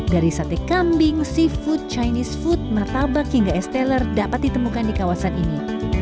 dari sate kambing seafood chinese food martabak hingga esteller dapat ditemukan di kawasan ini